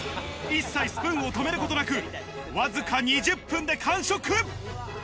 一切スプーンを止めることなく、わずか２０分で完食。